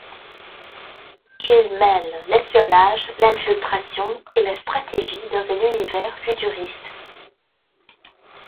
Il mêle l'espionnage, l'infiltration et la stratégie dans un univers futuriste.